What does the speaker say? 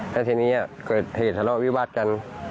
แล้วทีนี้เกิดเหตุทะเลาะวิวาสกัน